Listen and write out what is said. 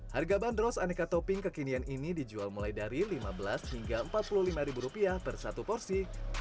harga bandros aneka topping kekinian ini dijual mulai dari lima belas hingga empat puluh lima per satu porsi